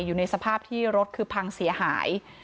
อยู่ในสภาพที่รถคือพังเสียหาย